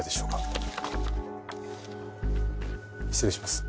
失礼します。